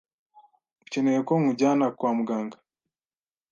Ukeneye ko nkujyana kwa muganga?